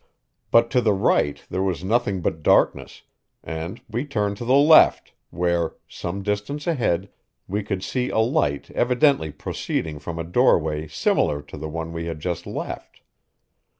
But to the right there was nothing but darkness, and we turned to the left, where, some distance ahead, we could see a light evidently proceeding from a doorway similar to the one we had just left.